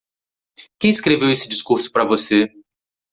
Quem escreveu esse discurso para você?